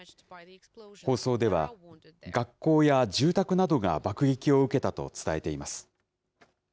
放送では、学校や住宅などが爆撃を受けたと伝えています。